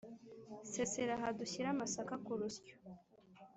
Sesera aha dushire-Amasaka ku rusyo.